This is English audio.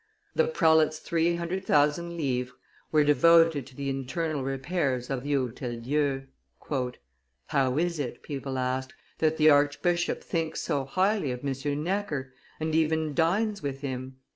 The prelate's three hundred thousand livres were devoted to the internal repairs of the Hotel Dieu. "How is it," people asked, "that the archbishop thinks so highly of M. Necker, and even dines with him?"